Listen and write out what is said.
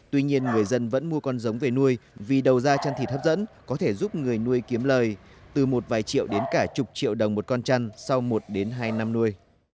tuy nhiên người dân vẫn mua con giống về nuôi vì đầu ra chăn thịt hấp dẫn có thể giúp người nuôi kiếm lời từ một vài triệu đến cả chục triệu đồng một con chăn sau một đến hai năm nuôi